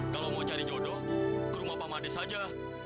kalau mau cari jodoh ke rumah pak mades saja